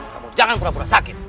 kamu jangan pura pura sakit